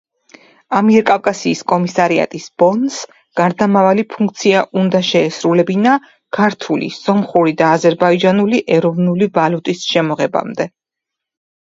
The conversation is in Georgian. ამიერკავკასიის კომისარიატის ბონს გარდამავალი ფუნქცია უნდა შეესრულებინა ქართული, სომხური და აზერბაიჯანული ეროვნული ვალუტის შემოღებამდე.